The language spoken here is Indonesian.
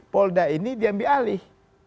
polda ini diambil alih